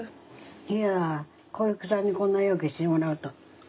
いや小雪さんにこんなようけしてもらうと思わんかった。